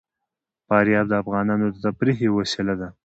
فاریاب د افغانانو د تفریح یوه وسیله ده.